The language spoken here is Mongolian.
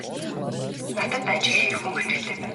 Надад ажил хийх хүн хэрэгтэй байна.